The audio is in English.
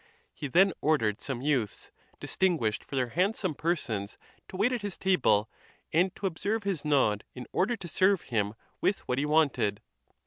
He then ordered some youths, distinguished for their hand some persons, to wait at his table, and to observe his nod, in order to serve him with what he wanted.